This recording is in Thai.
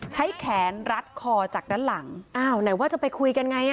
ใช้แขนรัดคอจากด้านหลังอ้าวไหนว่าจะไปคุยกันไงอ่ะ